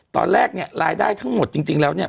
ตอนแรกเนี่ยรายได้ทั้งหมดจริงแล้วเนี่ย